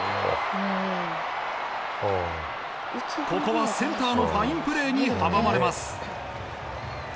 ここはセンターのファインプレーに阻まれます。